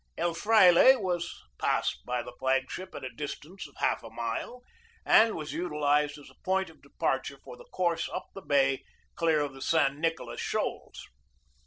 El Fraile was passed by the flag ship at a distance of half a mile and was utilized as a point of departure for the course up the bay clear of the San Nicolas Shoals.